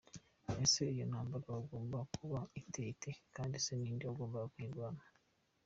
Ese iyo ntambara yagombaga kuba iteye ite, kandi se ninde wagombaga kuyirwana.